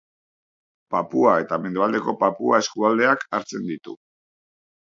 Papua eta Mendebaldeko Papua eskualdeak hartzen ditu.